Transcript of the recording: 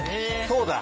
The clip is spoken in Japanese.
そうだ。